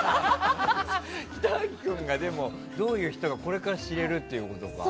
北脇君がどういう人かこれから知れるってことか。